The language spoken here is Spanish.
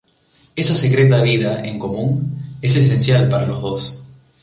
Esa secreta vida en común es esencial para los dos.